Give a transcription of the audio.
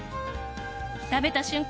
食べた瞬間